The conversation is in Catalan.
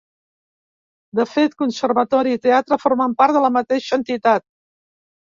De fet, conservatori i teatre formen part de la mateixa entitat.